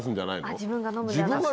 自分が飲むんではなくて。